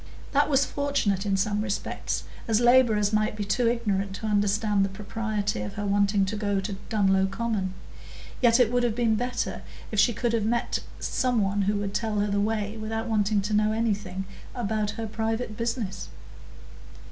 That was fortunate in some respects, as labourers might be too ignorant to understand the propriety of her wanting to go to Dunlow Common; yet it would have been better if she could have met some one who would tell her the way without wanting to know anything about her private business.